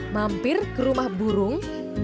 mampir ke rumah burung